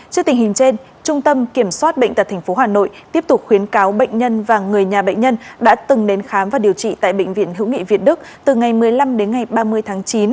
trước tình hình trên trung tâm kiểm soát bệnh tật tp hà nội tiếp tục khuyến cáo bệnh nhân và người nhà bệnh nhân đã từng đến khám và điều trị tại bệnh viện hữu nghị việt đức từ ngày một mươi năm đến ngày ba mươi tháng chín